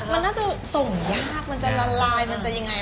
มันน่าจะส่งยากมันจะละลายมันจะยังไง